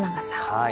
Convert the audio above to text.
はい。